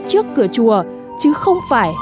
trước cửa chùa chứ không phải